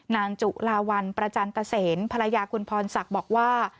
นางจุลาวันประจันตเซนภรรยาคุณพรศักดิ์บอกว่า